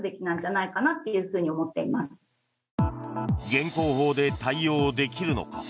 現行法で対応できるのか。